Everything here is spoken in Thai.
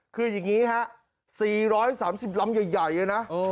คืออย่างนี้ครับ๔๓๐ลำใหญ่นะ